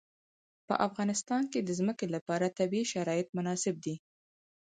په افغانستان کې د ځمکه لپاره طبیعي شرایط مناسب دي.